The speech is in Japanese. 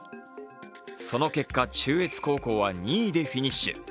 その結果、中越高校は２位でフィニッシュ。